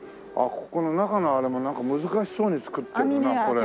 ここの中のあれもなんか難しそうに造ってるなこれ。